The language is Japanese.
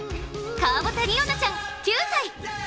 川端璃央那ちゃん、９歳。